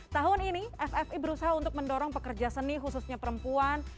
tahun ini ffi berusaha untuk mendorong pekerja seni khususnya perempuan